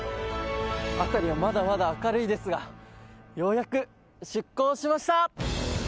辺りはまだまだ明るいですがようやく出港しました！